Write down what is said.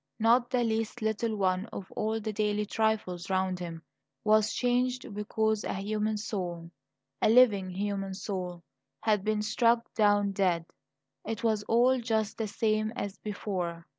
Not the least little one of all the daily trifles round him was changed because a human soul, a living human soul, had been struck down dead. It was all just the same as before.